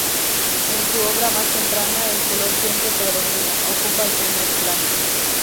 En su obra más temprana el color siempre predomina, ocupa el primer plano.